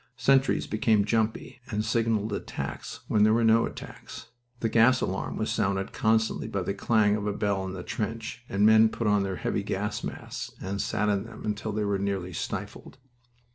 Sentries became "jumpy," and signaled attacks when there were no attacks. The gas alarm was sounded constantly by the clang of a bell in the trench, and men put on their heavy gas masks and sat in them until they were nearly stifled.